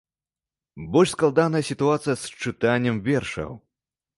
Больш складаная сітуацыя з чытаннем вершаў.